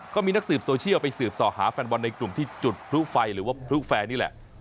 ก็มีนักสืบโซเชียลไปสืบส่อหาแฟนบอลในกลุ่มที่จุดพลุไฟหรือว่าพลุแฟร์นี่แหละ